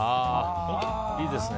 いいですね